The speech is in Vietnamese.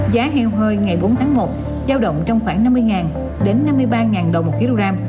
giá heo hơi ngày bốn tháng một giao động trong khoảng năm mươi đến năm mươi ba đồng một kg